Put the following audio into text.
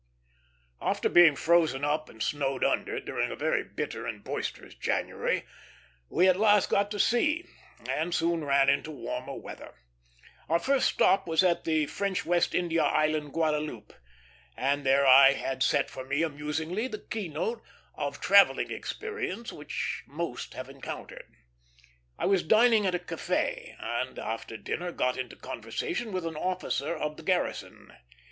After being frozen up and snowed under, during a very bitter and boisterous January, we at last got to sea, and soon ran into warmer weather. Our first stop was at the French West India island Guadeloupe, and there I had set for me amusingly that key note of travelling experience which most have encountered. I was dining at a café, and after dinner got into conversation with an officer of the garrison.